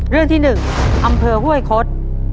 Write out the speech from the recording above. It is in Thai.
เรื่องที่๑อำเภอห้วยคด